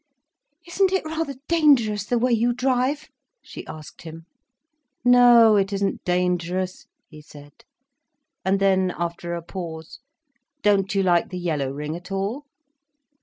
"Isn't it rather dangerous, the way you drive?" she asked him. "No, it isn't dangerous," he said. And then, after a pause: "Don't you like the yellow ring at all?"